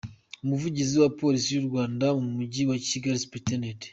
Umuvugizi wa Polisi y’u Rwanda mu Mujyi wa Kigali, Supt.